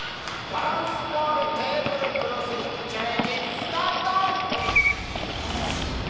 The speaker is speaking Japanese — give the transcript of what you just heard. バランスボールテーブルクロス引きチャレンジスタート！